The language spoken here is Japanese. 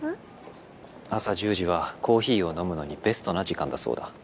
朝１０時はコーヒーを飲むのにベストな時間だそうだ。